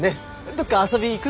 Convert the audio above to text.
どっか遊び行く？